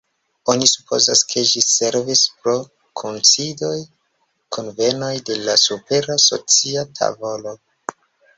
Oni supozas, ke ĝi servis por kunsidoj, kunvenoj de la supera socia tavolo.